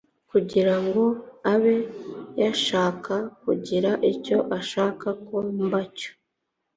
kugira ngo abe yashaka kungira icyo ashaka ko mba cyo